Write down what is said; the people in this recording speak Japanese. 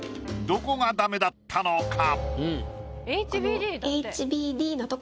どこがダメだったのか？